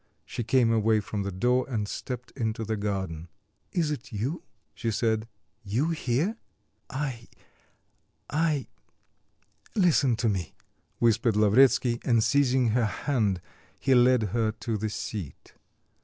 She came away from the door and stepped into the garden. "Is it you?" she said. "You here?" "I I listen to me," whispered Lavretsky, and seizing her hand he led her to the seat.